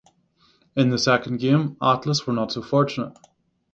In the second game Atlas were not so fortunate.